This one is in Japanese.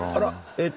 えーっと